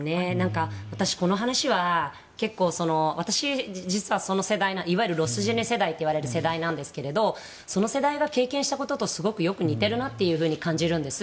私、この話は結構、実は私はいわゆるロスジェネ世代といわれる世代なんですがその世代が経験したこととすごくよく似ているなと感じるんです。